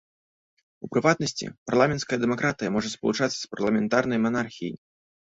У прыватнасці, парламенцкая дэмакратыя можа спалучацца з парламентарнай манархіяй.